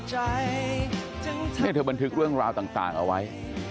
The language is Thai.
เราให้เธอบันทึกเรื่องราวต่างออกไว้